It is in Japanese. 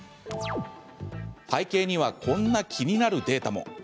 背景にはこんな気になるデータも。